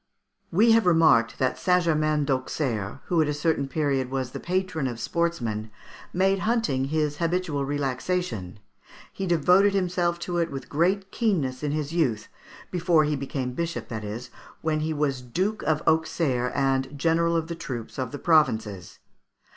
We have remarked that St. Germain d'Auxerre, who at a certain period was the patron of sportsmen, made hunting his habitual relaxation. He devoted himself to it with great keenness in his youth, before he became bishop, that is, when he was Duke of Auxerre and general of the troops of the provinces.